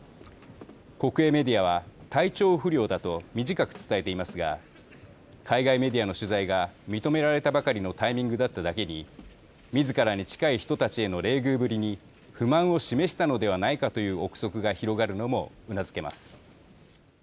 国営メディアは体調不良だと短く伝えていますが海外メディアの取材が認められたばかりのタイミングだっただけにみずからに近い人たちへの冷遇ぶりに不満を示したのではないかという臆測が広がるのもうなずけます。